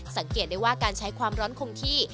สังเกตได้ว่าการใช้ความร้อนคงที่